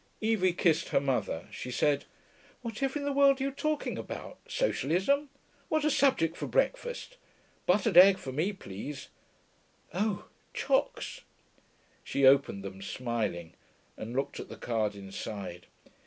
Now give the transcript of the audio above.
Evie kissed her mother. She said, 'Whatever in the world are you talking about? Socialism? What a subject for breakfast. Buttered egg for me, please.... Oh, chocs ' She opened them, smiling, and looked at the card inside.